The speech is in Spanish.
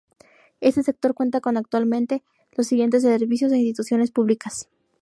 Este sector cuenta actualmente con los siguientes servicios e instituciones públicas.